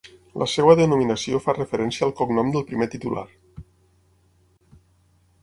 La seva denominació fa referència al cognom del primer titular.